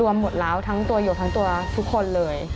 หมดแล้วทั้งตัวหยกทั้งตัวทุกคนเลย